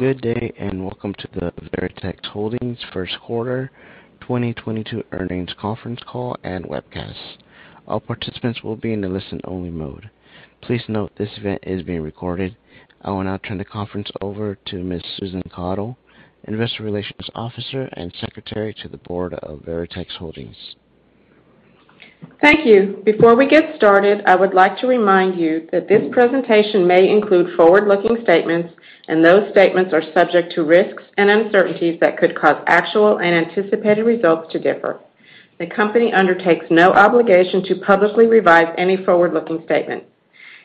Good day, and welcome to the Veritex Holdings first quarter 2022 earnings conference call and webcast. All participants will be in the listen-only mode. Please note this event is being recorded. I will now turn the conference over to Ms. Susan Caudle, Investor Relations Officer and Secretary to the Board of Veritex Holdings. Thank you. Before we get started, I would like to remind you that this presentation may include forward-looking statements, and those statements are subject to risks and uncertainties that could cause actual and anticipated results to differ. The company undertakes no obligation to publicly revise any forward-looking statement.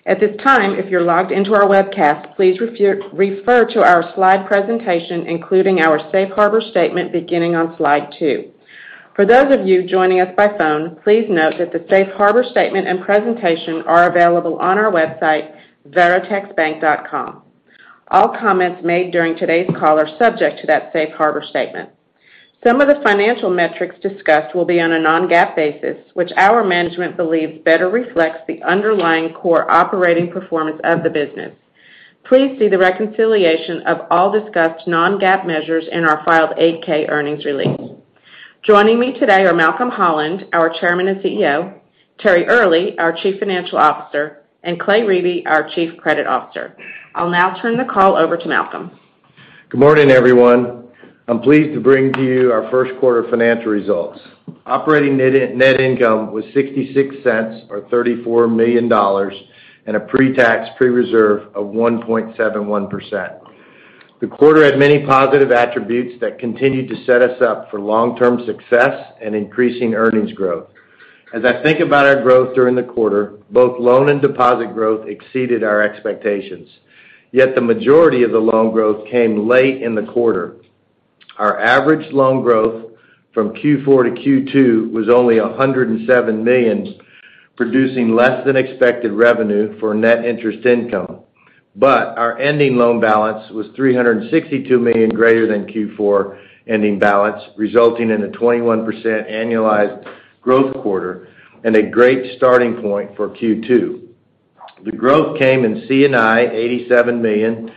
At this time, if you're logged into our webcast, please refer to our slide presentation, including our safe harbor statement, beginning on slide two. For those of you joining us by phone, please note that the safe harbor statement and presentation are available on our website, veritexbank.com. All comments made during today's call are subject to that safe harbor statement. Some of the financial metrics discussed will be on a non-GAAP basis, which our management believes better reflects the underlying core operating performance of the business. Please see the reconciliation of all discussed non-GAAP measures in our filed 8-K earnings release. Joining me today are Malcolm Holland, our Chairman and CEO, Terry Earley, our Chief Financial Officer, and Clay Riebe, our Chief Credit Officer. I'll now turn the call over to Malcolm. Good morning, everyone. I'm pleased to bring to you our first quarter financial results. Operating net income was $0.66 or $34 million and a pre-tax pre-reserve of 1.71%. The quarter had many positive attributes that continued to set us up for long-term success and increasing earnings growth. As I think about our growth during the quarter, both loan and deposit growth exceeded our expectations, yet the majority of the loan growth came late in the quarter. Our average loan growth from Q4 to Q2 was only $107 million, producing less than expected revenue for net interest income. Our ending loan balance was $362 million greater than Q4 ending balance, resulting in a 21% annualized growth quarter and a great starting point for Q2. The growth came in C&I, $87 million,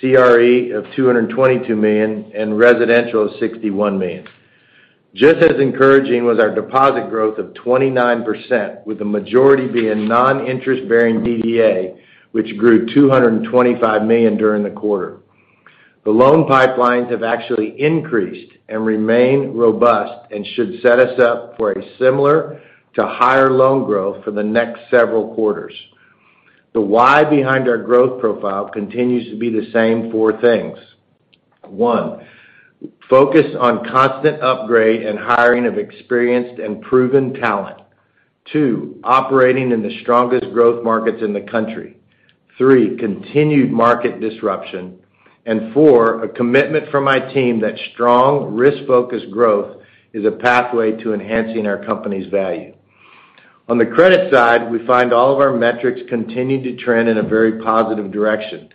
CRE of $222 million, and residential of $61 million. Just as encouraging was our deposit growth of 29%, with the majority being non-interest-bearing DDA, which grew $225 million during the quarter. The loan pipelines have actually increased and remain robust and should set us up for a similar to higher loan growth for the next several quarters. The why behind our growth profile continues to be the same four things. One, focus on constant upgrade and hiring of experienced and proven talent. Two, operating in the strongest growth markets in the country. Three, continued market disruption. And four, a commitment from my team that strong risk-focused growth is a pathway to enhancing our company's value. On the credit side, we find all of our metrics continued to trend in a very positive direction.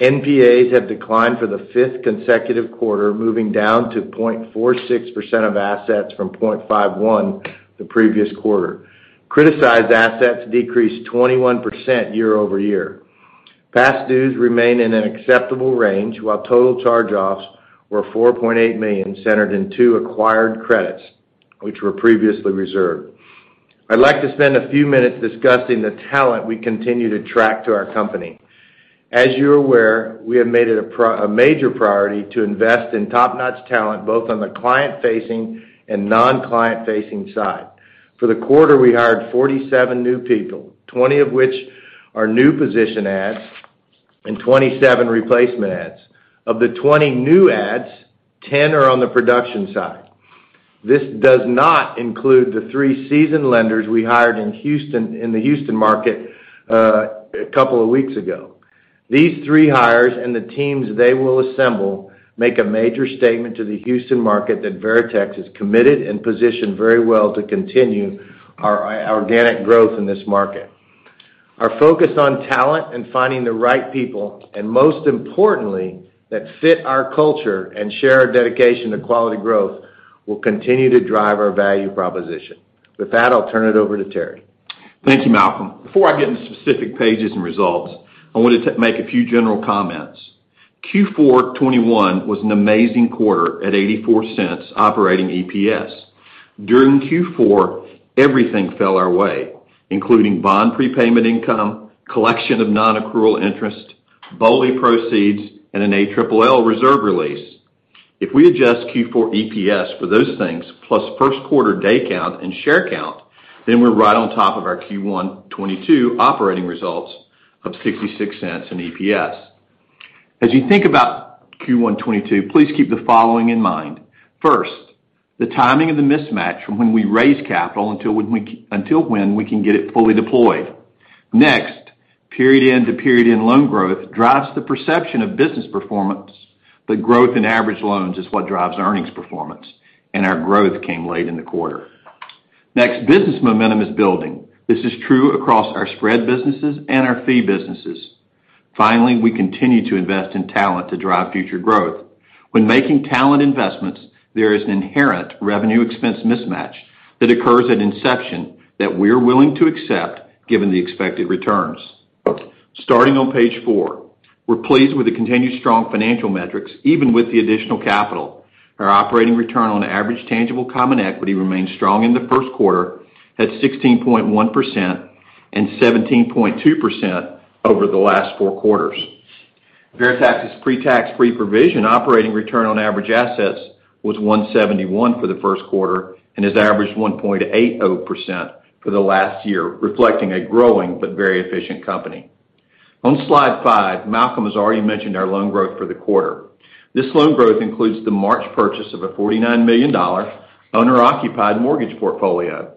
NPAs have declined for the fifth consecutive quarter, moving down to 0.46% of assets from 0.51% the previous quarter. Criticized assets decreased 21% year-over-year. Past dues remain in an acceptable range, while total charge-offs were $4.8 million, centered in two acquired credits, which were previously reserved. I'd like to spend a few minutes discussing the talent we continue to attract to our company. As you're aware, we have made it a major priority to invest in top-notch talent, both on the client-facing and non-client-facing side. For the quarter, we hired 47 new people, 20 of which are new position adds and 27 replacement adds. Of the 20 new adds, 10 are on the production side. This does not include the three seasoned lenders we hired in Houston, in the Houston market, a couple of weeks ago. These three hires and the teams they will assemble make a major statement to the Houston market that Veritex is committed and positioned very well to continue our organic growth in this market. Our focus on talent and finding the right people, and most importantly, that fit our culture and share our dedication to quality growth, will continue to drive our value proposition. With that, I'll turn it over to Terry. Thank you, Malcolm. Before I get into specific pages and results, I wanted to make a few general comments. Q4 2021 was an amazing quarter at $0.84 operating EPS. During Q4, everything fell our way, including bond prepayment income, collection of non-accrual interest, BOLI proceeds, and an ALLL reserve release. If we adjust Q4 EPS for those things, plus first quarter day count and share count, then we're right on top of our Q1 2022 operating results of $0.66 in EPS. As you think about Q1 2022, please keep the following in mind. First, the timing of the mismatch from when we raise capital until when we can get it fully deployed. Next, period-end-to-period-end loan growth drives the perception of business performance, but growth in average loans is what drives earnings performance, and our growth came late in the quarter. Next, business momentum is building. This is true across our spread businesses and our fee businesses. Finally, we continue to invest in talent to drive future growth. When making talent investments, there is an inherent revenue expense mismatch that occurs at inception that we're willing to accept given the expected returns. Starting on page four, we're pleased with the continued strong financial metrics, even with the additional capital. Our operating return on average tangible common equity remained strong in the first quarter at 16.1% and 17.2% over the last four quarters. Veritex's pre-tax, pre-provision operating return on average assets was 1.71% for the first quarter and has averaged 1.80% for the last year, reflecting a growing but very efficient company. On slide five, Malcolm has already mentioned our loan growth for the quarter. This loan growth includes the March purchase of a $49 million owner-occupied mortgage portfolio.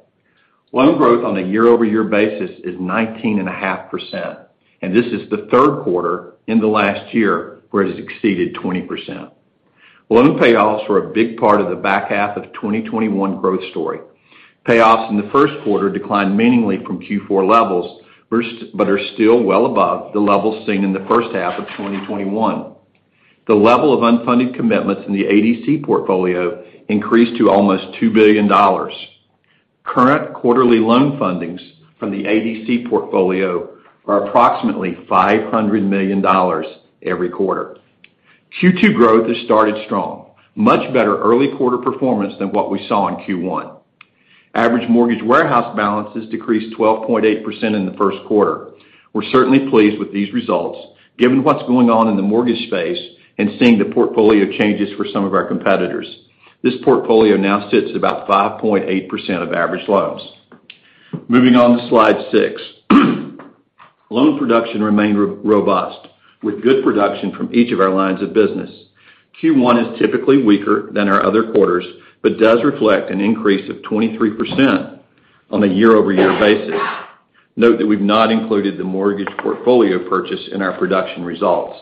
Loan growth on a year-over-year basis is 19.5%, and this is the third quarter in the last year where it has exceeded 20%. Loan payoffs were a big part of the back half of 2021 growth story. Payoffs in the first quarter declined meaningfully from Q4 levels, but are still well above the levels seen in the first half of 2021. The level of unfunded commitments in the ADC portfolio increased to almost $2 billion. Current quarterly loan fundings from the ADC portfolio are approximately $500 million every quarter. Q2 growth has started strong, much better early quarter performance than what we saw in Q1. Average mortgage warehouse balances decreased 12.8% in the first quarter. We're certainly pleased with these results, given what's going on in the mortgage space and seeing the portfolio changes for some of our competitors. This portfolio now sits at about 5.8% of average loans. Moving on to slide six. Loan production remained robust, with good production from each of our lines of business. Q1 is typically weaker than our other quarters, but does reflect an increase of 23% on a year-over-year basis. Note that we've not included the mortgage portfolio purchase in our production results.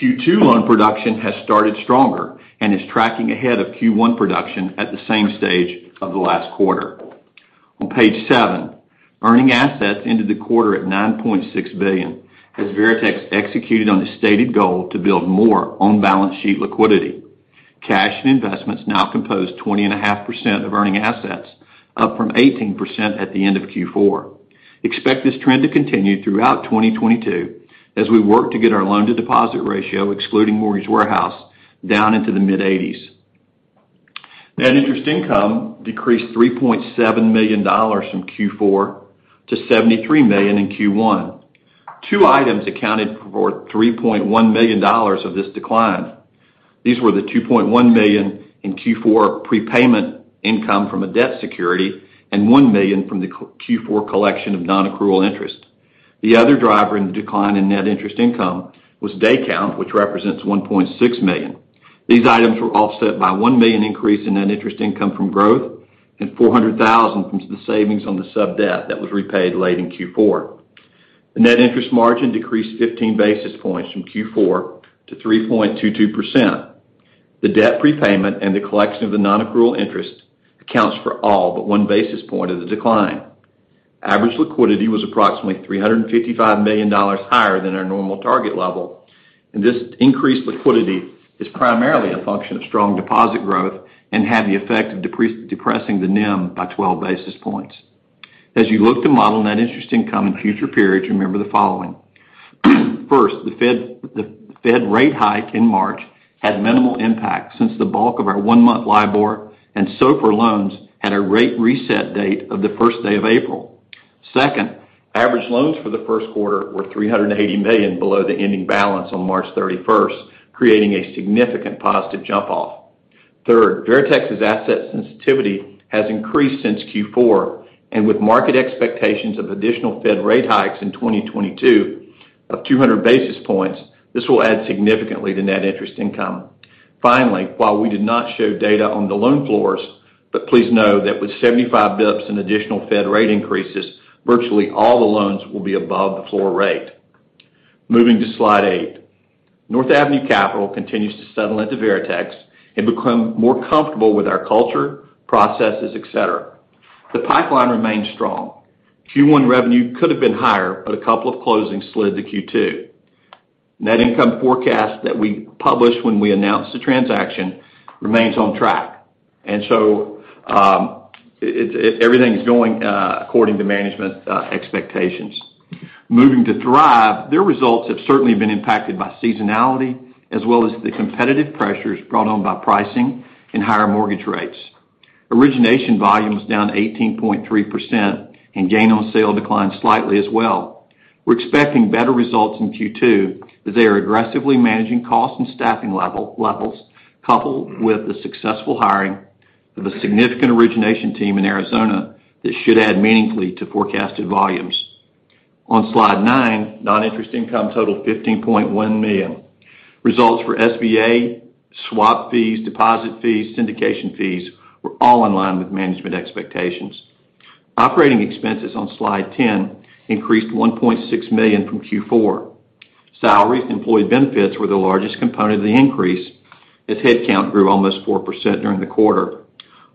Q2 loan production has started stronger and is tracking ahead of Q1 production at the same stage of the last quarter. On page seven, earning assets ended the quarter at $9.6 billion as Veritex executed on its stated goal to build more on-balance sheet liquidity. Cash and investments now compose 20.5% of earning assets, up from 18% at the end of Q4. Expect this trend to continue throughout 2022 as we work to get our loan-to-deposit ratio, excluding mortgage warehouse, down into the mid-eighties. Net interest income decreased $3.7 million from Q4 to $73 million in Q1. Two items accounted for $3.1 million of this decline. These were the $2.1 million in Q4 prepayment income from a debt security, and $1 million from the Q4 collection of non-accrual interest. The other driver in the decline in net interest income was day count, which represents $1.6 million. These items were offset by $1 million increase in net interest income from growth and $400,000 from the savings on the sub-debt that was repaid late in Q4. The net interest margin decreased 15 basis points from Q4 to 3.22%. The debt prepayment and the collection of the non-accrual interest accounts for all but 1 basis point of the decline. Average liquidity was approximately $355 million higher than our normal target level, and this increased liquidity is primarily a function of strong deposit growth and had the effect of depressing the NIM by 12 basis points. As you look to model net interest income in future periods, remember the following. First, the Fed rate hike in March had minimal impact since the bulk of our one-month LIBOR and SOFR loans had a rate reset date of the first day of April. Second, average loans for the first quarter were $380 million below the ending balance on March 31, creating a significant positive jump off. Third, Veritex's asset sensitivity has increased since Q4, and with market expectations of additional Fed rate hikes in 2022 of 200 basis points, this will add significantly to net interest income. Finally, while we did not show data on the loan floors, please know that with 75 basis points in additional Fed rate increases, virtually all the loans will be above the floor rate. Moving to slide eight. North Avenue Capital continues to settle into Veritex and become more comfortable with our culture, processes, etc. The pipeline remains strong. Q1 revenue could have been higher, but a couple of closings slid to Q2. Net income forecast that we published when we announced the transaction remains on track. Everything is going according to management expectations. Moving to Thrive, their results have certainly been impacted by seasonality as well as the competitive pressures brought on by pricing and higher mortgage rates. Origination volume was down 18.3%, and gain on sale declined slightly as well. We're expecting better results in Q2, as they are aggressively managing costs and staffing levels, coupled with the successful hiring of a significant origination team in Arizona that should add meaningfully to forecasted volumes. On slide nine, non-interest income totaled $15.1 million. Results for SBA, swap fees, deposit fees, syndication fees were all in line with management expectations. Operating expenses on slide 10 increased $1.6 million from Q4. Salaries and employee benefits were the largest component of the increase as head count grew almost 4% during the quarter.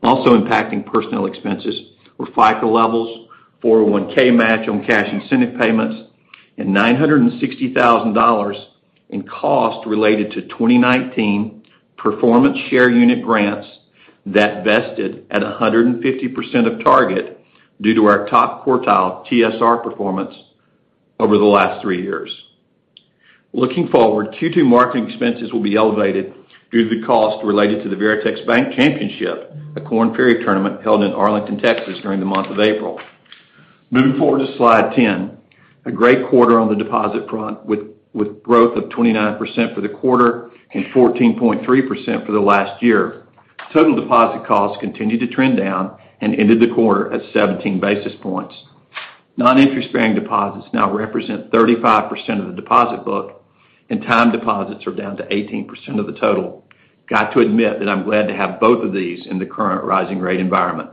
Also impacting personnel expenses were FICA levels, 401 match on cash incentive payments, and $960,000 in cost related to 2019 performance share unit grants that vested at 150% of target due to our top-quartile TSR performance over the last three years. Looking forward, Q2 marketing expenses will be elevated due to the cost related to the Veritex Bank Championship, a Korn Ferry tournament held in Arlington, Texas, during the month of April. Moving forward to slide 10, a great quarter on the deposit front, with growth of 29% for the quarter and 14.3% for the last year. Total deposit costs continued to trend down and ended the quarter at 17 basis points. Non-interest-bearing deposits now represent 35% of the deposit book, and time deposits are down to 18% of the total. Got to admit that I'm glad to have both of these in the current rising rate environment.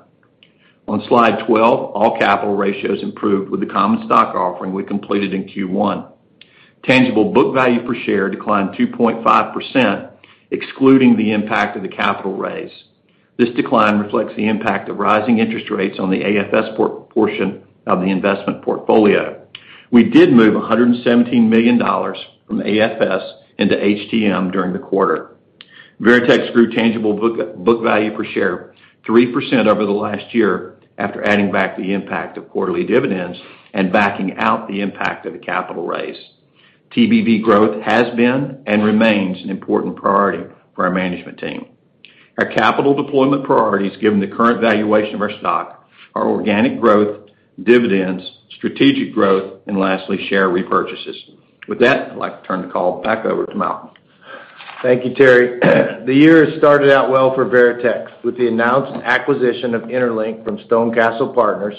On slide 12, all capital ratios improved with the common stock offering we completed in Q1. Tangible book value per share declined 2.5%, excluding the impact of the capital raise. This decline reflects the impact of rising interest rates on the AFS portion of the investment portfolio. We did move $117 million from AFS into HTM during the quarter. Veritex grew tangible book value per share 3% over the last year after adding back the impact of quarterly dividends and backing out the impact of the capital raise. TBV growth has been and remains an important priority for our management team. Our capital deployment priorities, given the current valuation of our stock, are organic growth, dividends, strategic growth, and lastly, share repurchases. With that, I'd like to turn the call back over to Malcolm. Thank you, Terry. The year has started out well for Veritex. With the announced acquisition of interLINK from StoneCastle Partners,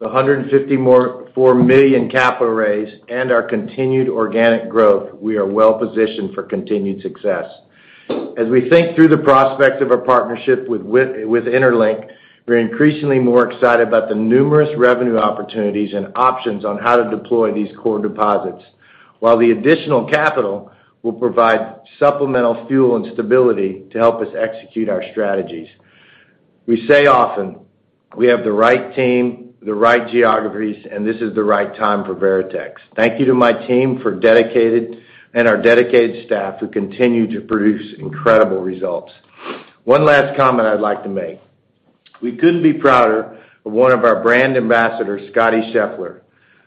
the $154 million capital raise, and our continued organic growth, we are well positioned for continued success. As we think through the prospects of our partnership with interLINK, we're increasingly more excited about the numerous revenue opportunities and options on how to deploy these core deposits, while the additional capital will provide supplemental fuel and stability to help us execute our strategies. We say often, we have the right team, the right geographies, and this is the right time for Veritex. Thank you to my team and our dedicated staff who continue to produce incredible results. One last comment I'd like to make. We couldn't be prouder of one of our brand ambassadors, Scottie Scheffler,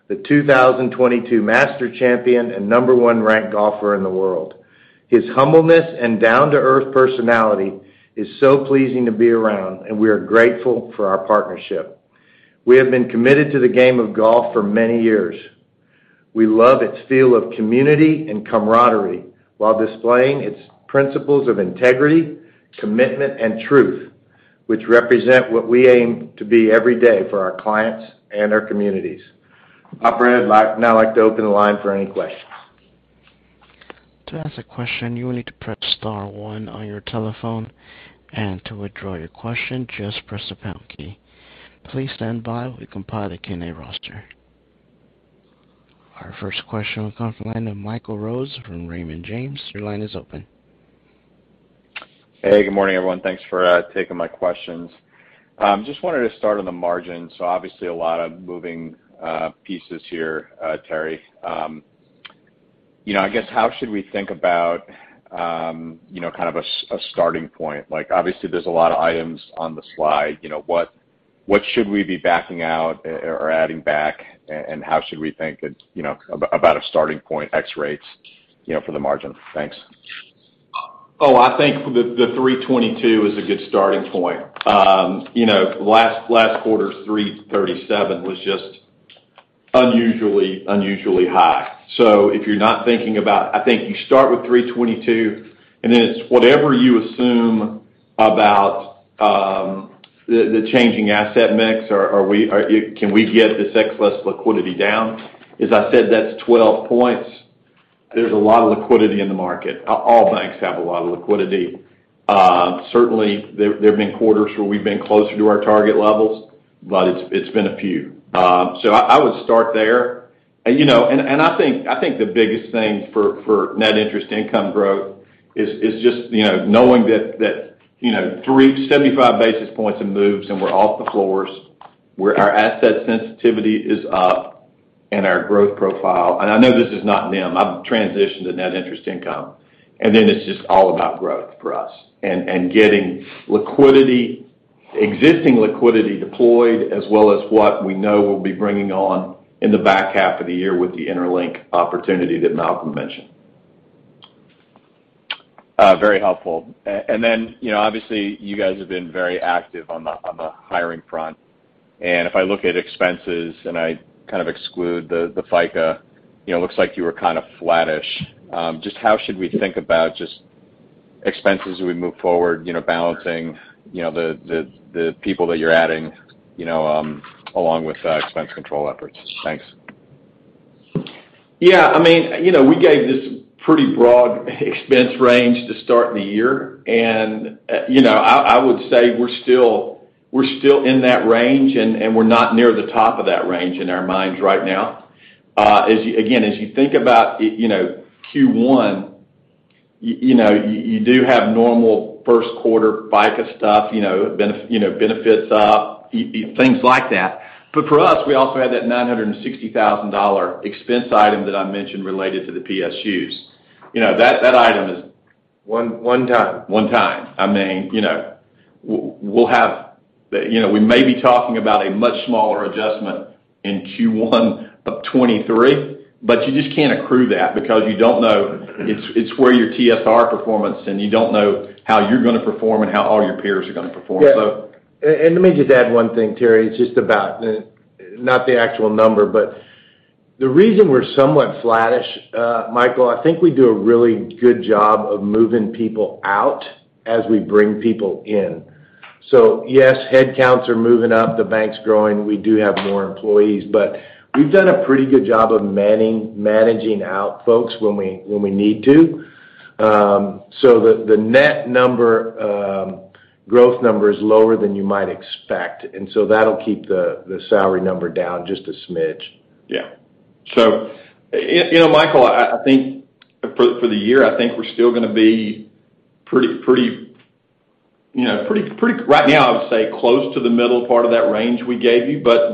the 2022 Masters champion and number one ranked golfer in the world. His humbleness and down-to-earth personality is so pleasing to be around, and we are grateful for our partnership. We have been committed to the game of golf for many years. We love its feel of community and camaraderie while displaying its principles of integrity, commitment, and truth, which represent what we aim to be every day for our clients and our communities. Operator, now I'd like to open the line for any questions. To ask a question, you will need to press star one on your telephone, and to withdraw your question, just press the pound key. Please stand by while we compile the Q&A roster. Our first question will come from the line of Michael Rose from Raymond James. Your line is open. Hey, good morning, everyone. Thanks for taking my questions. Just wanted to start on the margins. Obviously a lot of moving pieces here, Terry. I guess how should we think about, you know, kind of a starting point? Like obviously there's a lot of items on the slide. You know, what should we be backing out or adding back, and how should we think, you know, about a starting point, ex rates, you know, for the margin? Thanks. Oh, I think the 3.22% is a good starting point. You know, last quarter's 3.37% was just unusually high. I think you start with 3.22%, and then it's whatever you assume about the changing asset mix or whether we can get this excess liquidity down. As I said, that's 12 points. There's a lot of liquidity in the market. All banks have a lot of liquidity. Certainly, there have been quarters where we've been closer to our target levels, but it's been a few. I would start there. I think the biggest thing for net interest income growth is just you know knowing that you know 375 basis points of moves and we're off the floors where our asset sensitivity is up and our growth profile. I know this is not NIM. I've transitioned to net interest income. Then it's just all about growth for us and getting existing liquidity deployed as well as what we know we'll be bringing on in the back half of the year with the interLINK opportunity that Malcolm mentioned. Very helpful. You know, obviously you guys have been very active on the hiring front. If I look at expenses and I kind of exclude the FICA, you know, it looks like you were kind of flattish. Just how should we think about just expenses as we move forward, you know, balancing, you know, the people that you're adding, you know, along with expense control efforts? Thanks. Yeah. I mean, you know, we gave this pretty broad expense range to start the year. You know, I would say we're still in that range, and we're not near the top of that range in our minds right now. Again, as you think about Q1, you know, you do have normal first quarter FICA stuff, you know, benefits up, things like that. For us, we also had that $960,000 expense item that I mentioned related to the PSUs. You know, that item is. One time. One time. I mean, you know, we'll have. You know, we may be talking about a much smaller adjustment in Q1 of 2023, but you just can't accrue that because you don't know it's where your TSR performance and you don't know how you're gonna perform and how all your peers are gonna perform. Yeah. Let me just add one thing, Terry. It's just about not the actual number, but the reason we're somewhat flattish, Michael. I think we do a really good job of moving people out as we bring people in. Yes, headcounts are moving up, the bank's growing, we do have more employees, but we've done a pretty good job of managing out folks when we need to. The net number growth number is lower than you might expect, and that'll keep the salary number down just a smidge. Yeah. You know, Michael, I think for the year, I would say close to the middle part of that range we gave you, but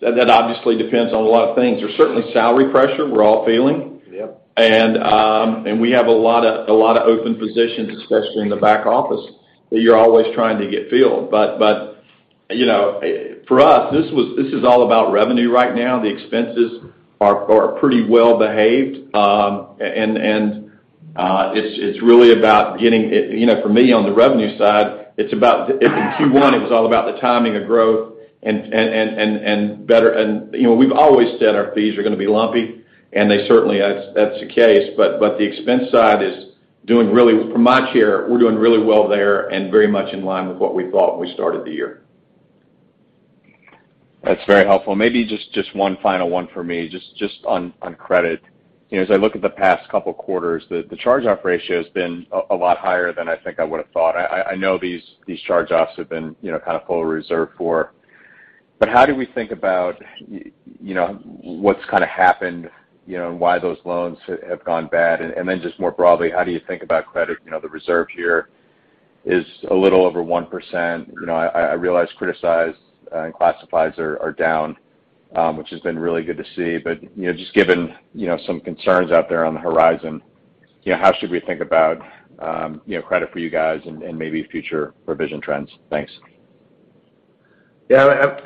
that obviously depends on a lot of things. There's certainly salary pressure we're all feeling. Yep. We have a lot of open positions, especially in the back office, that you're always trying to get filled. You know, for us, this is all about revenue right now. The expenses are pretty well behaved. It's really about getting you know, for me, on the revenue side, it's about in Q1, it was all about the timing of growth and better. You know, we've always said our fees are gonna be lumpy, and they certainly are. That's the case. The expense side is doing really well there from my chair, we're doing really well there and very much in line with what we thought when we started the year. That's very helpful. Maybe just one final one for me, just on credit. You know, as I look at the past couple quarters, the charge-off ratio has been a lot higher than I think I would have thought. I know these charge-offs have been, you know, kind of fully reserved for. How do we think about, you know, what's kinda happened, you know, and why those loans have gone bad? Then just more broadly, how do you think about credit? You know, the reserve here is a little over 1%. You know, I realize criticized and classifieds are down, which has been really good to see. You know, just given, you know, some concerns out there on the horizon, you know, how should we think about, you know, credit for you guys and maybe future revision trends? Thanks. Yeah.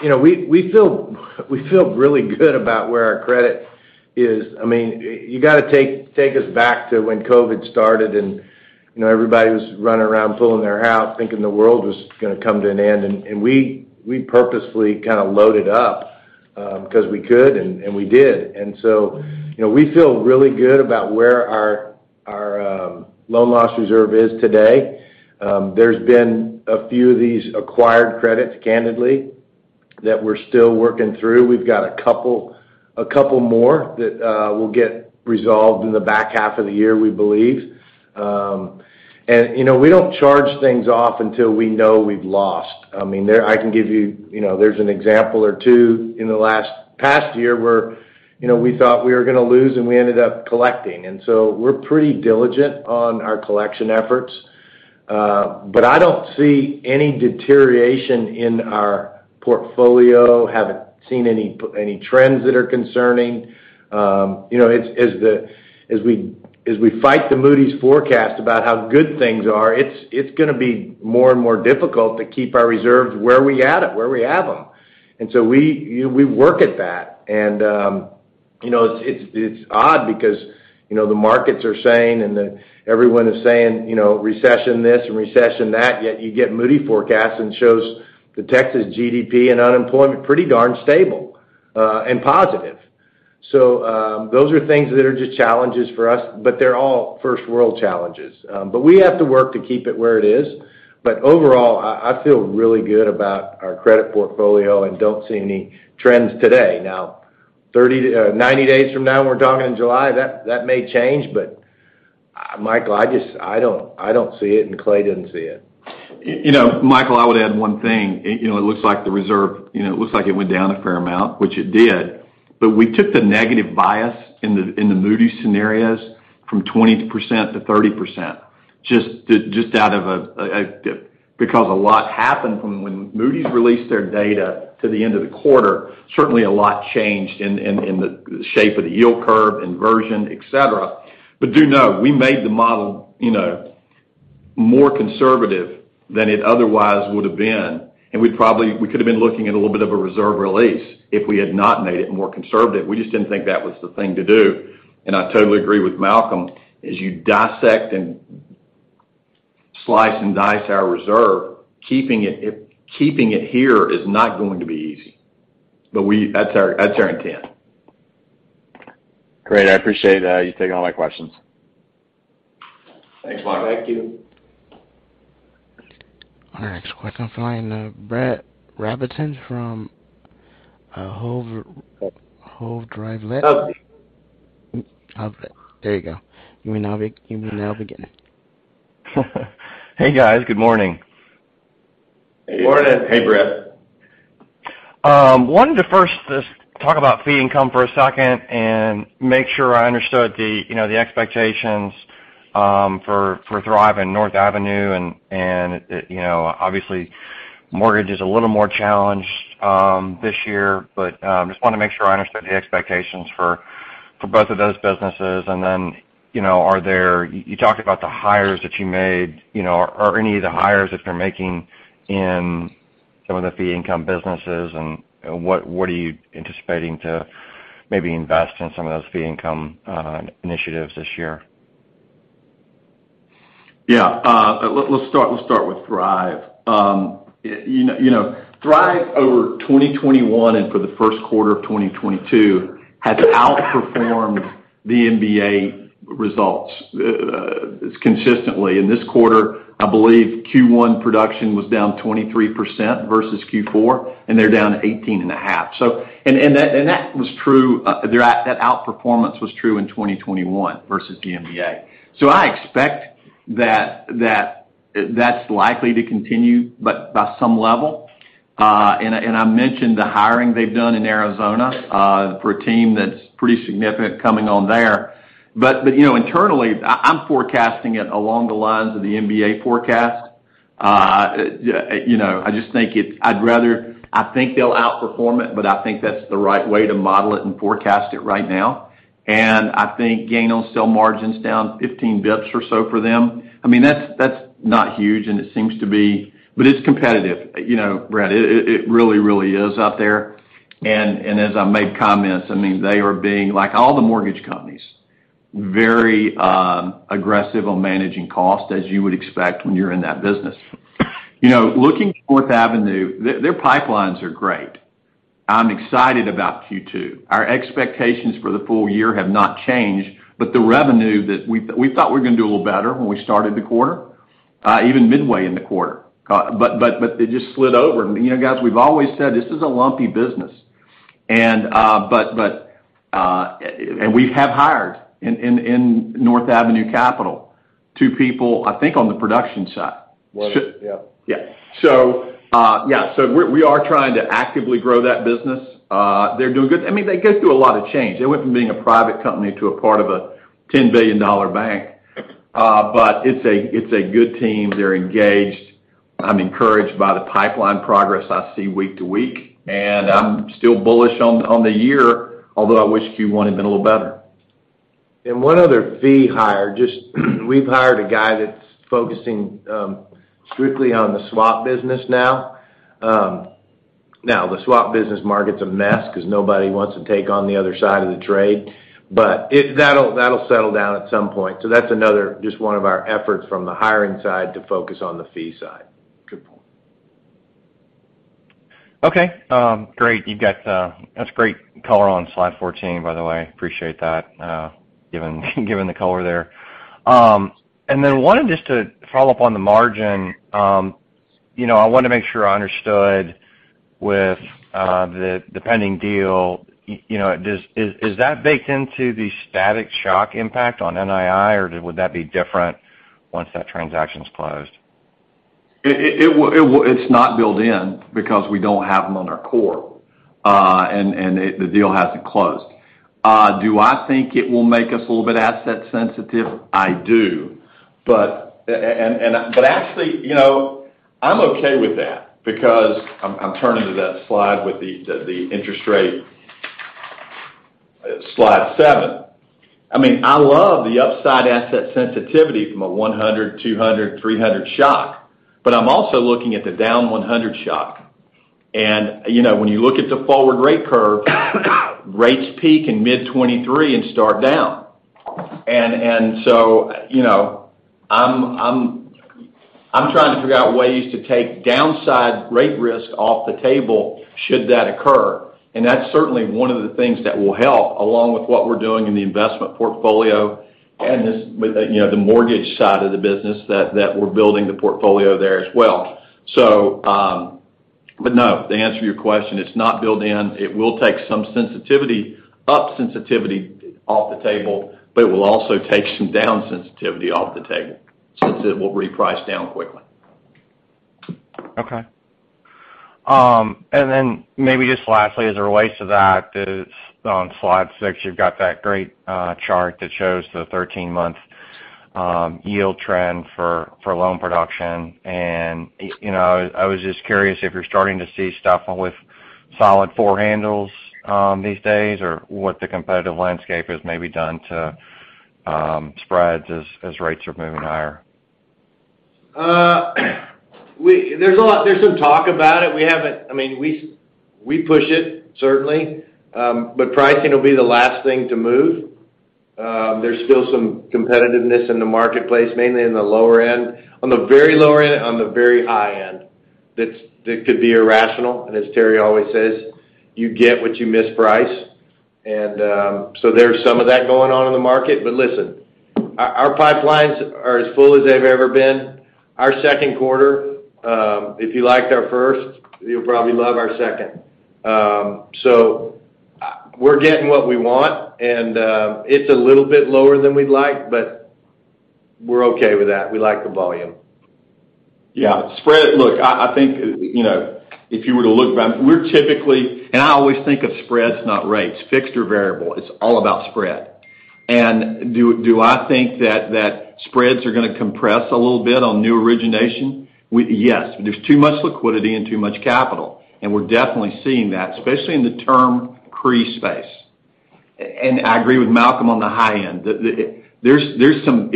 You know, we feel really good about where our credit is. I mean, you gotta take us back to when COVID started and, you know, everybody was running around pulling their hair out, thinking the world was gonna come to an end. We purposefully kinda loaded up because we could, and we did. You know, we feel really good about where our loan loss reserve is today. There's been a few of these acquired credits, candidly, that we're still working through. We've got a couple more that will get resolved in the back half of the year, we believe. You know, we don't charge things off until we know we've lost. I mean, I can give you. You know, there's an example or two in the past year where we thought we were gonna lose, and we ended up collecting. We're pretty diligent on our collection efforts. I don't see any deterioration in our portfolio. Haven't seen any trends that are concerning. It's as we fight the Moody's forecast about how good things are. It's gonna be more and more difficult to keep our reserves where we have them. We work at that. It's odd because the markets are saying and everyone is saying recession this and recession that, yet you get Moody's forecasts that show the Texas GDP and unemployment pretty darn stable and positive. Those are things that are just challenges for us, but they're all first-world challenges. We have to work to keep it where it is. Overall, I feel really good about our credit portfolio and don't see any trends today. Now, 30, 90 days from now, we're talking in July, that may change. Michael, I just don't see it, and Clay doesn't see it. You know, Michael, I would add one thing. You know, it looks like the reserve, you know, it looks like it went down a fair amount, which it did, but we took the negative bias in the Moody's scenarios from 20%-30%. Because a lot happened from when Moody's released their data to the end of the quarter. Certainly, a lot changed in the shape of the yield curve, inversion, etc. Do know, we made the model, you know, more conservative than it otherwise would have been. We could have been looking at a little bit of a reserve release if we had not made it more conservative. We just didn't think that was the thing to do. I totally agree with Malcolm. As you dissect and slice and dice our reserve, keeping it here is not going to be easy. That's our intent. Great. I appreciate that. You've taken all my questions. Thanks, Michael. Thank you. Our next question come from Brett Rabatin from Hovde Group. There you go. You may now begin. Hey, guys. Good morning. Morning. Hey, Brett. Wanted to first just talk about fee income for a second and make sure I understood the, you know, the expectations for Thrive and North Avenue. You know, obviously, mortgage is a little more challenged this year, but just wanna make sure I understood the expectations for both of those businesses. Then, you know, are there? You talked about the hires that you made. You know, are any of the hires that you're making in some of the fee income businesses, and what are you anticipating to maybe invest in some of those fee income initiatives this year? Yeah. Let's start with Thrive. You know, Thrive over 2021, and for the first quarter of 2022, has outperformed the MBA results consistently. In this quarter, I believe Q1 production was down 23% versus Q4, and they're down 18.5. That outperformance was true in 2021 versus the MBA. I expect that's likely to continue by some level. I mentioned the hiring they've done in Arizona for a team that's pretty significant coming on there. You know, internally, I'm forecasting it along the lines of the MBA forecast. You know, I just think they'll outperform it, but I think that's the right way to model it and forecast it right now. I think gain on sale margin's down 15 basis points or so for them. I mean, that's not huge, and it seems to be competitive. You know, Brett, it really is out there. As I made comments, I mean, they are being, like all the mortgage companies, very aggressive on managing cost, as you would expect when you're in that business. You know, looking at North Avenue Capital, their pipelines are great. I'm excited about Q2. Our expectations for the full year have not changed, but the revenue we thought we were gonna do a little better when we started the quarter, even midway in the quarter. It just slid over. You know, guys, we've always said this is a lumpy business. We have hired in North Avenue Capital, two people, I think, on the production side. Was it? Yep. We're trying to actively grow that business. They're doing good. I mean, they go through a lot of change. They went from being a private company to a part of a $10 billion bank. It's a good team. They're engaged. I'm encouraged by the pipeline progress I see week to week, and I'm still bullish on the year, although I wish Q1 had been a little better. One other fee hire, just we've hired a guy that's focusing strictly on the swap business now. Now the swap business market's a mess because nobody wants to take on the other side of the trade. But that'll settle down at some point. That's another just one of our efforts from the hiring side to focus on the fee side. Good point. Okay. Great. That's great color on slide 14, by the way. Appreciate that, given the color there. Then wanted just to follow up on the margin. You know, I wanna make sure I understood with the pending deal. You know, is that baked into the static shock impact on NII, or would that be different once that transaction's closed? It's not built in because we don't have them on our core, and the deal hasn't closed. Do I think it will make us a little bit asset sensitive? I do. Actually, you know, I'm okay with that because I'm turning to that slide with the interest rate. Slide seven. I mean, I love the upside asset sensitivity from a 100, 200, 300 shock, but I'm also looking at the down 100 shock. You know, when you look at the forward rate curve, rates peak in mid-2023 and start down. You know, I'm trying to figure out ways to take downside rate risk off the table should that occur. That's certainly one of the things that will help, along with what we're doing in the investment portfolio and this, but, you know, the mortgage side of the business that we're building the portfolio there as well. No, to answer your question, it's not built in. It will take some sensitivity, up sensitivity off the table, but it will also take some down sensitivity off the table since it will reprice down quickly. Okay. Then maybe just lastly, as it relates to that, is on slide 6, you've got that great chart that shows the 13-month yield trend for loan production. You know, I was just curious if you're starting to see stuff with solid 4 handles these days, or what the competitive landscape has maybe done to spreads as rates are moving higher. There's some talk about it. I mean, we push it, certainly. Pricing will be the last thing to move. There's still some competitiveness in the marketplace, mainly in the lower end. On the very lower end and on the very high end, that could be irrational. As Terry always says, "You get what you misprice." So there's some of that going on in the market. Listen, our pipelines are as full as they've ever been. Our second quarter, if you liked our first, you'll probably love our second. We're getting what we want and it's a little bit lower than we'd like, but. We're okay with that. We like the volume. Yeah. Spread. Look, I think, you know, if you were to look back, we're typically. I always think of spreads, not rates, fixed or variable. It's all about spread. Do I think that spreads are gonna compress a little bit on new origination? Yes, there's too much liquidity and too much capital, and we're definitely seeing that, especially in the term CRE space. And I agree with Malcolm on the high end. There's some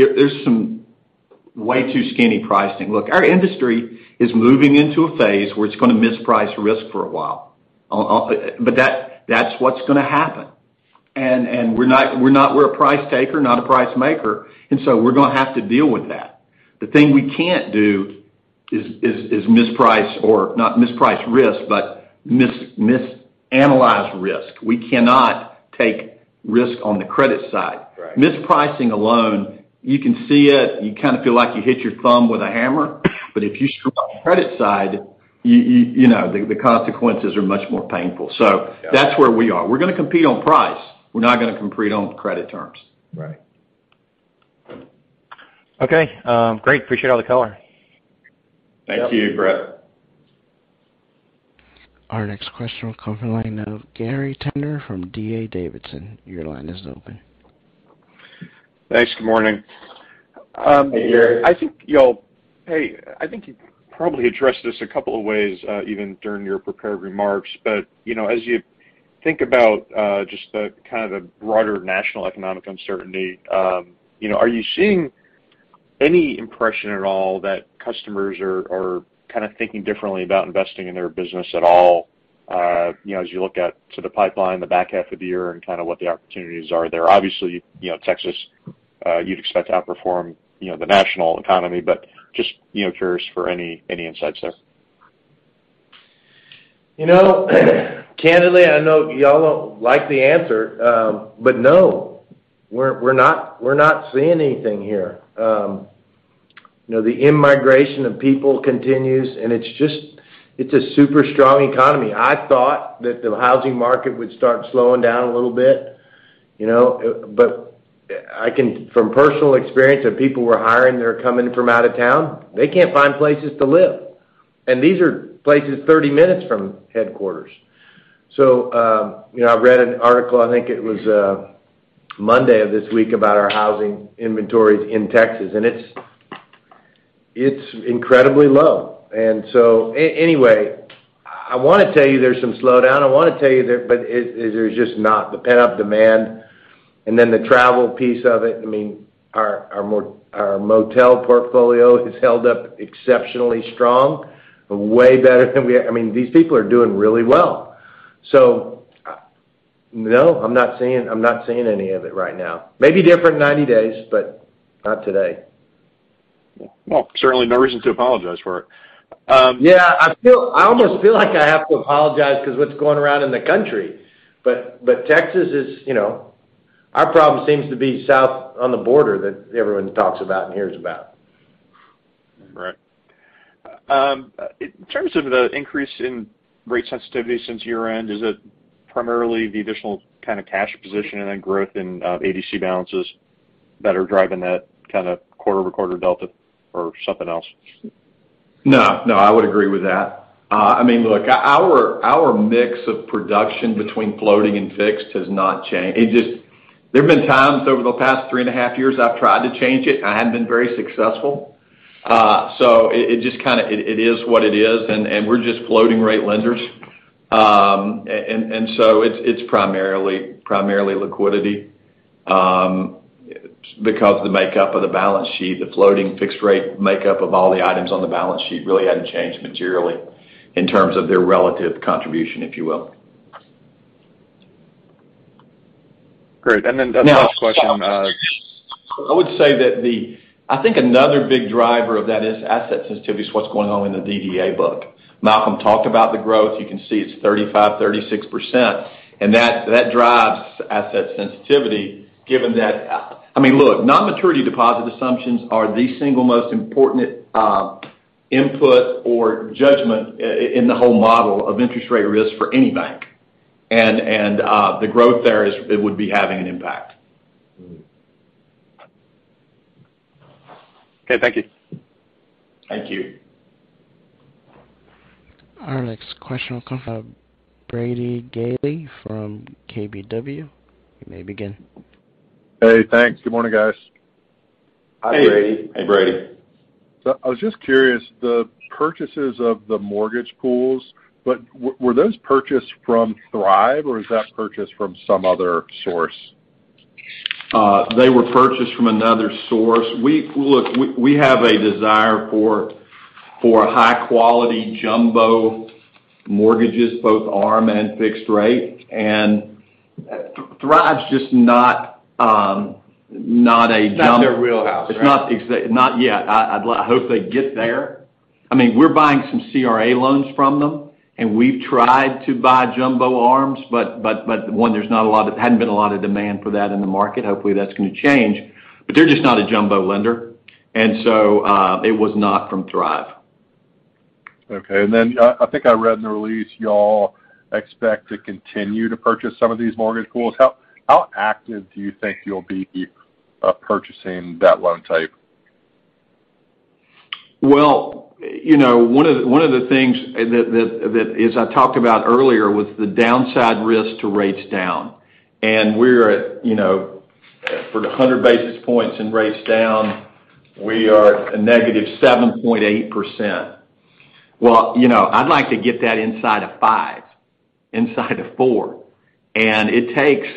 way too skinny pricing. Look, our industry is moving into a phase where it's gonna misprice risk for a while. But that's what's gonna happen. We're not a price taker, not a price maker, and so we're gonna have to deal with that. The thing we can't do is misprice or not misprice risk, but misanalyze risk. We cannot take risk on the credit side. Mispricing a loan, you can see it, you kind of feel like you hit your thumb with a hammer. If you screw up the credit side, you know, the consequences are much more painful. That's where we are. We're gonna compete on price. We're not gonna compete on credit terms. Okay. Great. Appreciate all the color. Thank you, Brett. Our next question will come from the line of Gary Tenner from D.A. Davidson. Your line is open. Thanks. Good morning. Hey, Gary. I think you probably addressed this a couple of ways, even during your prepared remarks. You know, as you think about just the kind of a broader national economic uncertainty, you know, are you seeing any impression at all that customers are kind of thinking differently about investing in their business at all, you know, as you look out to the pipeline, the back half of the year and kind of what the opportunities are there? Obviously, you know, Texas, you'd expect to outperform, you know, the national economy, but just, you know, curious for any insights there. You know, candidly, I know y'all won't like the answer. No, we're not seeing anything here. You know, the in-migration of people continues, and it's just a super strong economy. I thought that the housing market would start slowing down a little bit, you know. From personal experience of people we're hiring that are coming from out of town, they can't find places to live. These are places 30 minutes from headquarters. You know, I read an article, I think it was Monday of this week, about our housing inventories in Texas, and it's incredibly low. Anyway, I wanna tell you there's some slowdown, but there's just not. The pent-up demand and then the travel piece of it, I mean, our motel portfolio has held up exceptionally strong. I mean, these people are doing really well. No, I'm not seeing any of it right now. Maybe different 90 days, but not today. Well, certainly no reason to apologize for it. Yeah, I feel, I almost feel like I have to apologize because what's going around in the country. Texas is, you know, our problem seems to be south on the border that everyone talks about and hears about. Right. In terms of the increase in rate sensitivity since year-end, is it primarily the additional kind of cash position and then growth in ADC balances that are driving that kind of quarter-over-quarter delta or something else? No, I would agree with that. I mean, look, our mix of production between floating and fixed has not. It just. There have been times over the past three and a half years I've tried to change it. I hadn't been very successful. It just kinda is what it is, and we're just floating rate lenders. It's primarily liquidity, because the makeup of the balance sheet, the floating fixed rate makeup of all the items on the balance sheet really hadn't changed materially in terms of their relative contribution, if you will. Great. The last question. Now, I would say that I think another big driver of that is asset sensitivity, what's going on in the DDA book. Malcolm talked about the growth. You can see it's 35%-36%. And that drives asset sensitivity given that I mean, look, non-maturity deposit assumptions are the single most important input or judgment in the whole model of interest rate risk for any bank. The growth there is, it would be having an impact. Okay. Thank you. Thank you. Our next question will come from Brady Gailey from KBW. You may begin. Hey, thanks. Good morning, guys. Hi, Brady. Hey, Brady. I was just curious, the purchases of the mortgage pools, but were those purchased from Thrive or is that purchased from some other source? They were purchased from another source. We have a desire for high quality jumbo mortgages, both ARM and fixed rate. Thrive's just not a- It's not their wheelhouse, right? It's not yet. I hope they get there. I mean, we're buying some CRA loans from them, and we've tried to buy jumbo ARMs, but one, there's not a lot, hadn't been a lot of demand for that in the market. Hopefully, that's gonna change. They're just not a jumbo lender. It was not from Thrive. Okay. I think I read in the release you all expect to continue to purchase some of these mortgage pools. How active do you think you'll be purchasing that loan type? Well, you know, one of the things that as I talked about earlier was the downside risk to rates down. We're at, you know, for 100 basis points in rates down, we are at a negative 7.8%. Well, you know, I'd like to get that inside of five, inside of four, and it takes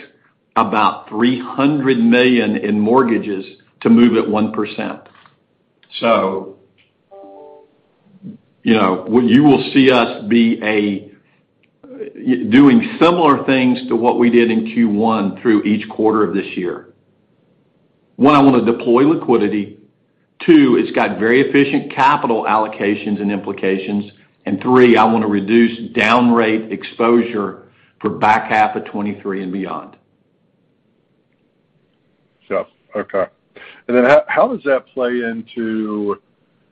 about $300 million in mortgages to move it 1%. You know, what you will see us be doing similar things to what we did in Q1 through each quarter of this year. One, I want to deploy liquidity. Two, it's got very efficient capital allocations and implications. Three, I want to reduce down rate exposure for back half of 2023 and beyond. Sure. Okay. How does that play into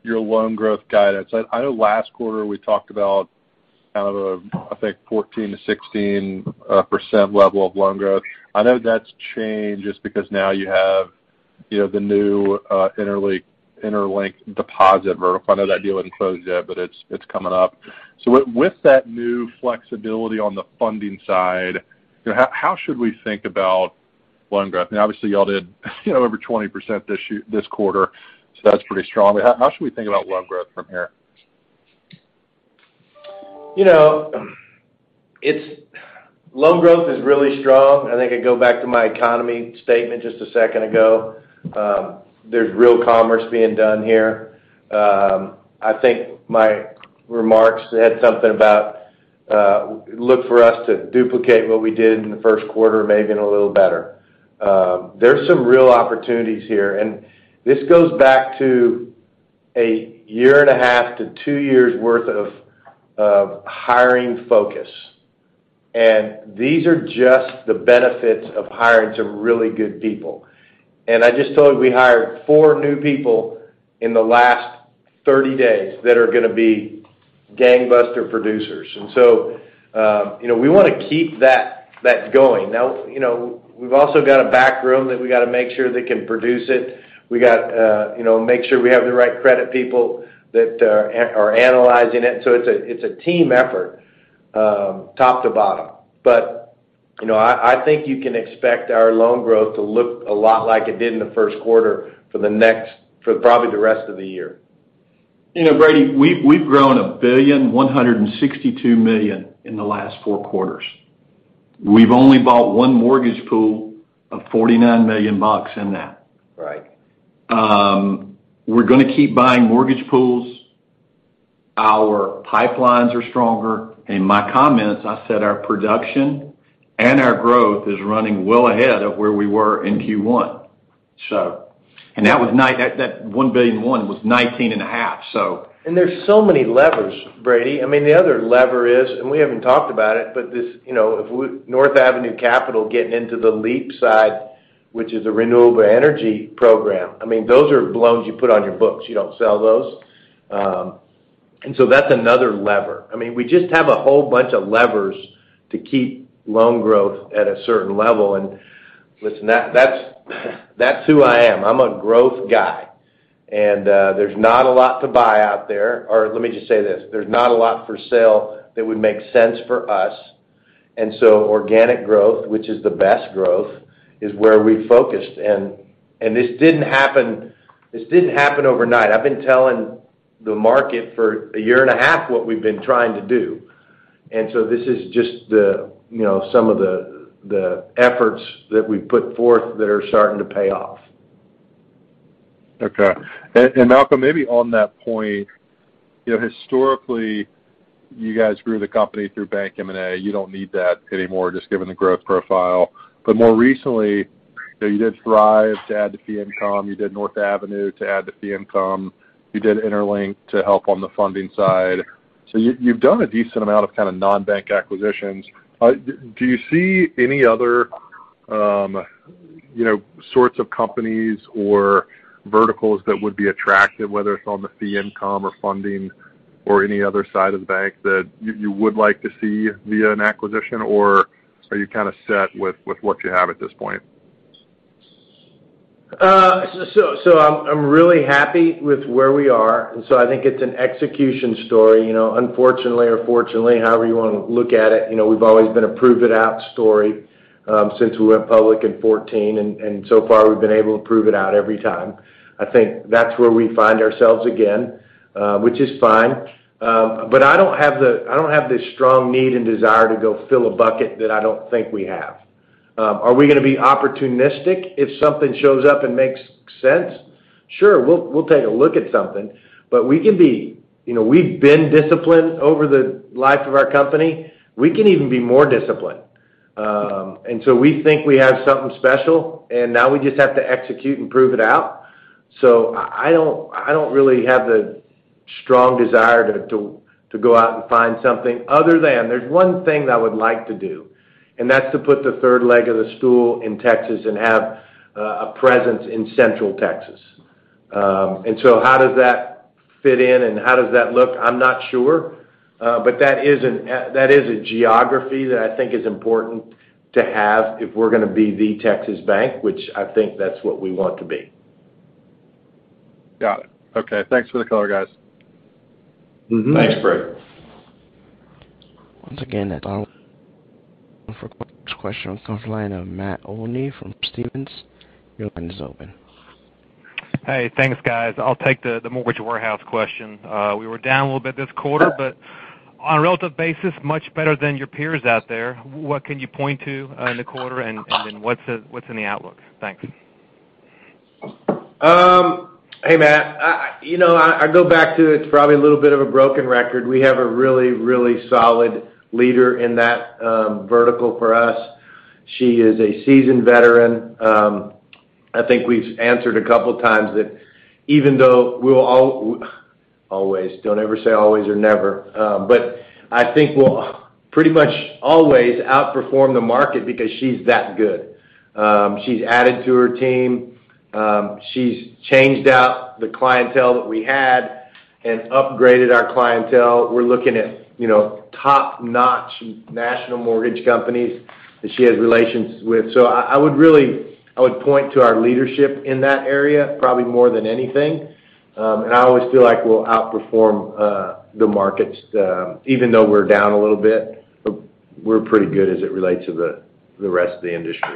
your loan growth guidance? I know last quarter we talked about kind of, I think, 14%-16% level of loan growth. I know that's changed just because now you have, you know, the new interLINK deposit vertical. I know that deal isn't closed yet, but it's coming up. With that new flexibility on the funding side, how should we think about loan growth? Now, obviously, y'all did, you know, over 20% this quarter, so that's pretty strong. How should we think about loan growth from here? You know, loan growth is really strong. I think I go back to my economy statement just a second ago. There's real commerce being done here. I think my remarks had something about, look for us to duplicate what we did in the first quarter, maybe a little better. There's some real opportunities here, and this goes back to a year and a half to two years' worth of hiring focus. These are just the benefits of hiring some really good people. I just told you we hired four new people in the last 30 days that are gonna be gangbuster producers. You know, we wanna keep that going. Now, you know, we've also got a backroom that we got to make sure that can produce it. We got you know make sure we have the right credit people that are analyzing it. It's a team effort top to bottom. You know I think you can expect our loan growth to look a lot like it did in the first quarter for probably the rest of the year. You know, Brady, we've grown $1.162 billion in the last four quarters. We've only bought one mortgage pool of $49 million in that. We're gonna keep buying mortgage pools. Our pipelines are stronger. In my comments, I said our production and our growth is running well ahead of where we were in Q1. That $1.1 billion was 19.5, so. There's so many levers, Brady. I mean, the other lever is, and we haven't talked about it, but this, you know, North Avenue Capital getting into the REAP side, which is a renewable energy program. I mean, those are loans you put on your books. You don't sell those. That's another lever. I mean, we just have a whole bunch of levers to keep loan growth at a certain level. Listen, that's who I am. I'm a growth guy, and there's not a lot to buy out there. Let me just say this, there's not a lot for sale that would make sense for us. Organic growth, which is the best growth, is where we focused. This didn't happen overnight. I've been telling the market for a year and a half what we've been trying to do. This is just the, you know, some of the efforts that we've put forth that are starting to pay off. Okay. Malcolm, maybe on that point, you know, historically, you guys grew the company through bank M&A. You don't need that anymore, just given the growth profile. But more recently, you know, you did Thrive to add the fee income, you did North Avenue to add the fee income, you did interLINK to help on the funding side. So you've done a decent amount of kind of non-bank acquisitions. Do you see any other, you know, sorts of companies or verticals that would be attractive, whether it's on the fee income or funding or any other side of the bank that you would like to see via an acquisition, or are you kind of set with what you have at this point? I'm really happy with where we are, and so I think it's an execution story. You know, unfortunately or fortunately, however you wanna look at it, you know, we've always been a prove-it-out story, since we went public in 2014. So far, we've been able to prove it out every time. I think that's where we find ourselves again, which is fine. I don't have the strong need and desire to go fill a bucket that I don't think we have. Are we gonna be opportunistic if something shows up and makes sense? Sure, we'll take a look at something. We've been disciplined over the life of our company. We can even be more disciplined. We think we have something special, and now we just have to execute and prove it out. I don't really have the strong desire to go out and find something other than. There's one thing that I would like to do. That's to put the third leg of the stool in Texas and have a presence in Central Texas. How does that fit in, and how does that look? I'm not sure. That is a geography that I think is important to have if we're gonna be the Texas bank, which I think that's what we want to be. Got it. Okay. Thanks for the color, guys. Thanks, Brady. Once again, the question comes from the line of Matt Olney from Stephens. Your line is open. Hey, thanks, guys. I'll take the Mortgage Warehouse question. We were down a little bit this quarter, but on a relative basis, much better than your peers out there. What can you point to in the quarter? What's in the outlook? Thanks. Hey, Matt. You know, I go back to it's probably a little bit of a broken record. We have a really solid leader in that vertical for us. She is a seasoned veteran. I think we've answered a couple times. Always. Don't ever say always or never. But I think we'll pretty much always outperform the market because she's that good. She's added to her team. She's changed out the clientele that we had and upgraded our clientele. We're looking at, you know, top-notch national mortgage companies that she has relations with. I would really point to our leadership in that area probably more than anything. I always feel like we'll outperform the markets, even though we're down a little bit, we're pretty good as it relates to the rest of the industry.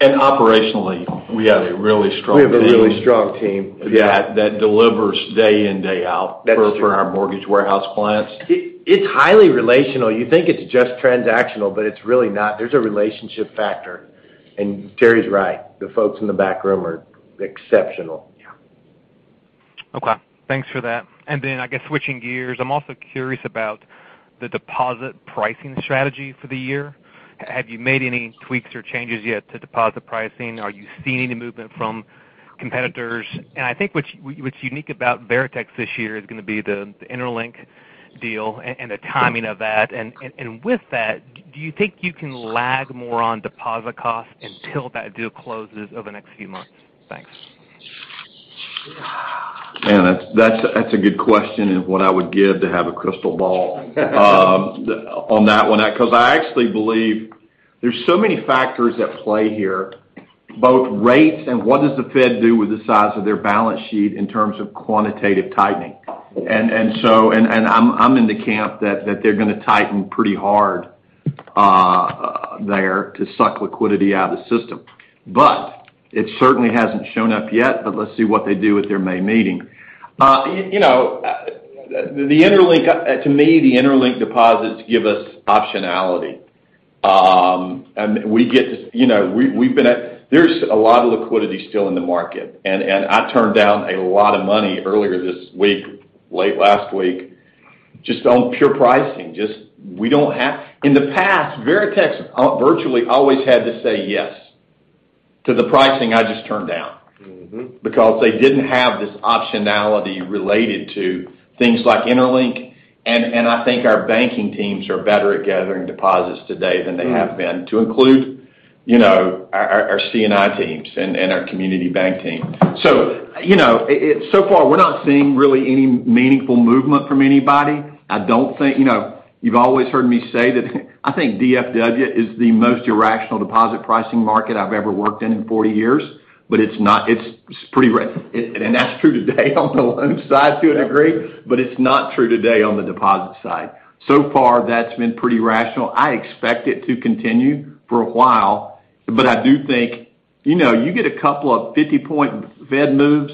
Operationally, we have a really strong team. We have a really strong team. Yeah, that delivers day in, day out. That's true. For our Mortgage Warehouse clients. It's highly relational. You think it's just transactional, but it's really not. There's a relationship factor, and Terry's right, the folks in the back room are exceptional. Yeah. Okay. Thanks for that. Then, I guess switching gears, I'm also curious about the deposit pricing strategy for the year. Have you made any tweaks or changes yet to deposit pricing? Are you seeing any movement from competitors? I think what's unique about Veritex this year is gonna be the interLINK deal and the timing of that. And with that, do you think you can lag more on deposit costs until that deal closes over the next few months? Thanks. Man, that's a good question, and what I would give to have a crystal ball on that one. Because I actually believe there's so many factors at play here, both rates and what does the Fed do with the size of their balance sheet in terms of quantitative tightening. I'm in the camp that they're gonna tighten pretty hard to suck liquidity out of the system. It certainly hasn't shown up yet, but let's see what they do at their May meeting. You know, to me, the interLINK deposits give us optionality. We get to, you know, there's a lot of liquidity still in the market, and I turned down a lot of money earlier this week, late last week, just on pure pricing. In the past, Veritex virtually always had to say yes to the pricing I just turned down. Because they didn't have this optionality related to things like interLINK, and I think our banking teams are better at gathering deposits today than they have been, to include, you know, our C&I teams and our community bank team. You know, it's so far, we're not seeing really any meaningful movement from anybody. I don't think. You know, you've always heard me say that I think DFW is the most irrational deposit pricing market I've ever worked in 40 years, but it's not. It's pretty rational. That's true today on the loan side to a degree. Exactly. It's not true today on the deposit side. So far, that's been pretty rational. I expect it to continue for a while, but I do think, you know, you get a couple of 50-point Fed moves,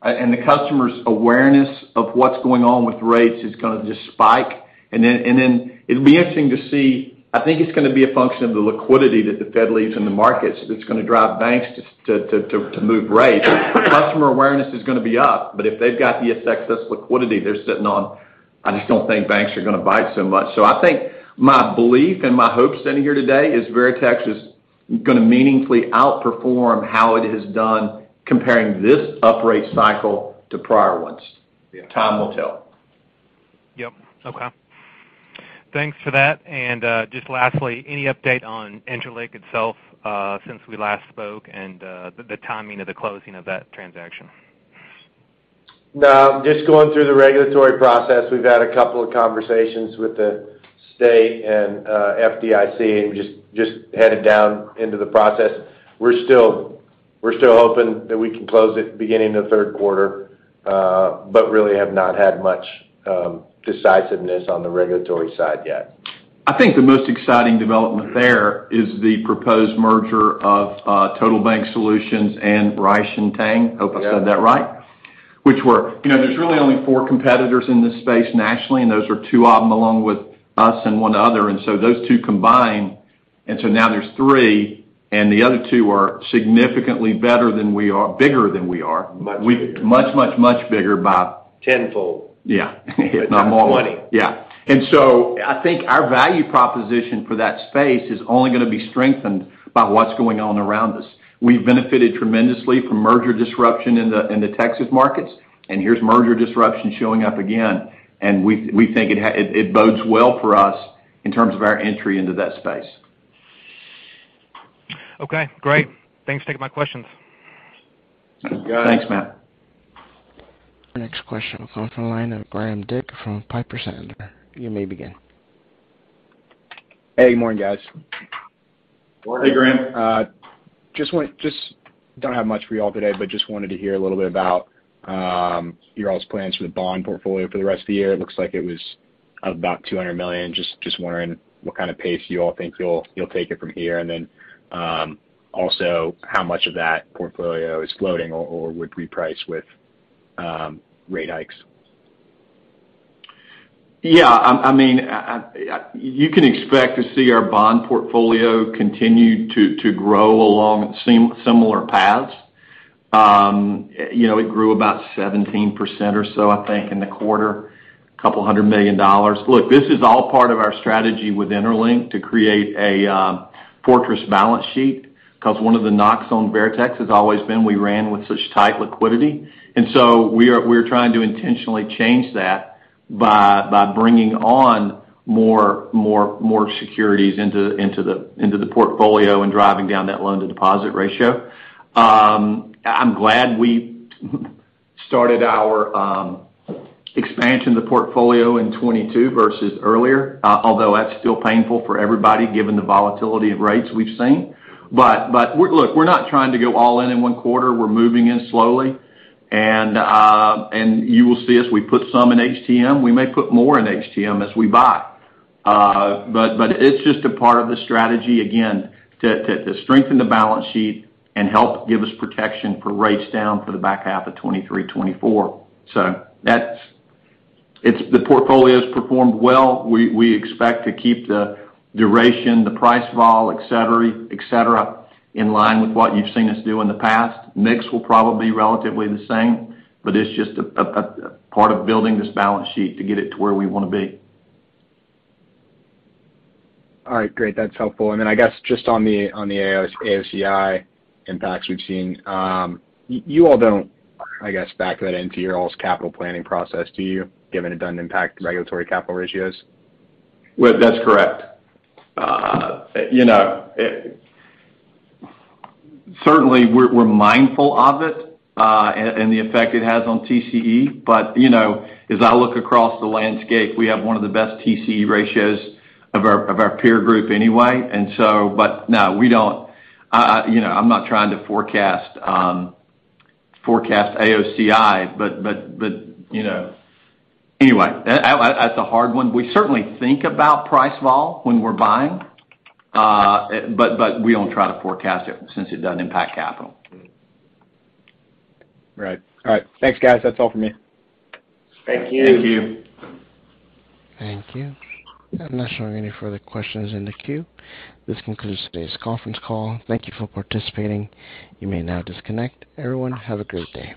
and the customer's awareness of what's going on with rates is gonna just spike. And then it'll be interesting to see, I think it's gonna be a function of the liquidity that the Fed leaves in the markets that's gonna drive banks to move rates. Customer awareness is gonna be up, but if they've got the excess liquidity they're sitting on, I just don't think banks are gonna bite so much. So I think my belief and my hope standing here today is Veritex is gonna meaningfully outperform how it has done comparing this uprate cycle to prior ones. Time will tell. Yep. Okay. Thanks for that. Just lastly, any update on interLINK itself since we last spoke and the timing of the closing of that transaction? No, just going through the regulatory process. We've had a couple of conversations with the state and FDIC, and just headed down into the process. We're still hoping that we can close it beginning of the third quarter, but really have not had much decisiveness on the regulatory side yet. I think the most exciting development there is the proposed merger of Total Bank Solutions and Reich & Tang. Hope I said that right. You know, there's really only four competitors in this space nationally, and those are two of them along with us and one other. Those two combine, and so now there's three, and the other two are significantly better than we are, bigger than we are. Much bigger. Much bigger. Tenfold. Yeah. If not more. Twenty. Yeah. I think our value proposition for that space is only gonna be strengthened by what's going on around us. We've benefited tremendously from merger disruption in the Texas markets, and here's merger disruption showing up again. We think it bodes well for us in terms of our entry into that space. Okay, great. Thanks. Taking my questions. Thanks, Matt. Next question will come from the line of Graham Dick from Piper Sandler. You may begin. Hey, morning, guys. Morning. Hey, Graham. Just don't have much for you all today, but just wanted to hear a little bit about your all's plans for the bond portfolio for the rest of the year. It looks like it was about $200 million. Just wondering what kind of pace you all think you'll take it from here. Also how much of that portfolio is floating or would reprice with rate hikes? I mean, you can expect to see our bond portfolio continue to grow along similar paths. You know, it grew about 17% or so, I think in the quarter, couple $100 million. Look, this is all part of our strategy with interLINK to create a fortress balance sheet because one of the knocks on Veritex has always been we ran with such tight liquidity. We are trying to intentionally change that by bringing on more securities into the portfolio and driving down that loan to deposit ratio. I'm glad we started our expansion to portfolio in 2022 versus earlier. Although that's still painful for everybody given the volatility of rates we've seen. We look, we're not trying to go all in in one quarter. We're moving in slowly. You will see us. We put some in HTM. We may put more in HTM as we buy. But it's just a part of the strategy, again, to strengthen the balance sheet and help give us protection for rates down for the back half of 2023, 2024. So the portfolio's performed well. We expect to keep the duration, the price vol, etc, in line with what you've seen us do in the past. Mix will probably be relatively the same, but it's just a part of building this balance sheet to get it to where we want to be. All right, great. That's helpful. I guess just on the AOCI impacts we've seen, you all don't, I guess, back that into your all's capital planning process, do you? Given it doesn't impact regulatory capital ratios. Well, that's correct. You know, certainly we're mindful of it, and the effect it has on TCE. You know, as I look across the landscape, we have one of the best TCE ratios of our peer group anyway. No, we don't. You know, I'm not trying to forecast AOCI, but you know. Anyway, that's a hard one. We certainly think about price vol when we're buying, but we don't try to forecast it since it doesn't impact capital. Right. All right. Thanks, guys. That's all for me. Thank you. Thank you. Thank you. I'm not showing any further questions in the queue. This concludes today's conference call. Thank you for participating. You may now disconnect. Everyone, have a great day.